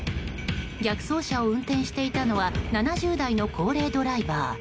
逆走車を運転していたのは７０代の高齢ドライバー。